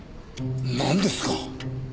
なんですか？